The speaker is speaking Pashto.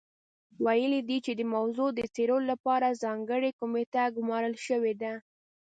ویلي یې دي چې د موضوع د څېړلو لپاره ځانګړې کمېټه ګمارل شوې ده.